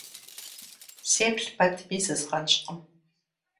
Сеплъ пэтми, зызгъэнщӏкъым.